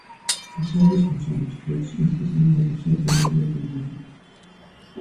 Paseos responsables, pois, neste segundo paseo permitido polo Goberno.